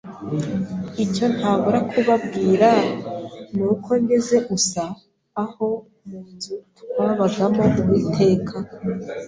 Icyo ntabura kubabwira nuko ngeze USA aho mu nzu twabagamo Uwiteka